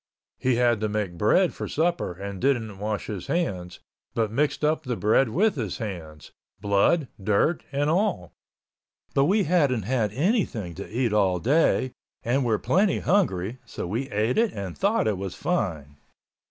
He had to make bread for supper and didn't wash his hands, but mixed up the bread with his hands—blood, dirt and all. But we hadn't had anything to eat all day and were plenty hungry, so we ate it and thought it was fine.